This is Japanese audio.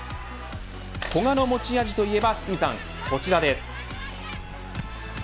古賀の持ち味といえば堤さん、こちらです。